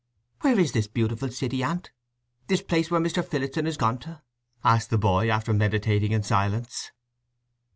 "Where is this beautiful city, Aunt—this place where Mr. Phillotson is gone to?" asked the boy, after meditating in silence.